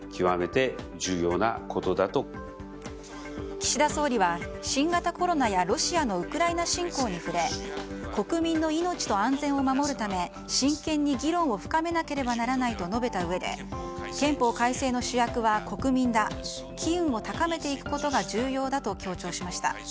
岸田総理は新型コロナやロシアのウクライナ侵攻に触れ国民の命と安全を守るため真剣に議論を深めなければならないと述べたうえで憲法改正の主役は国民だ機運を高めていくことが重要だと強調しました。